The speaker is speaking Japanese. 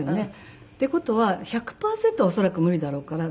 っていう事は１００パーセントは恐らく無理だろうから。